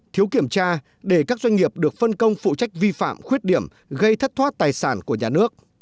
thiếu kiểm tra để các doanh nghiệp được phân công phụ trách vi phạm khuyết điểm gây thất thoát tài sản của nhà nước